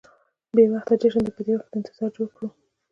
بې وخته جشن دې په وخت د انتظار جوړ کړو.